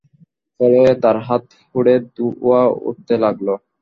ফলে তার হাত পুড়ে ধোঁয়া উঠতে লাগল।